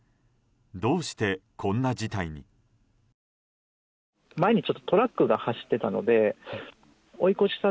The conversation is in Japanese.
どうしてこんな事態に？